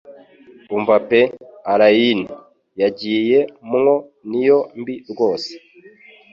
Imva pe Allayne.yagiye mwo niyo mbi rwose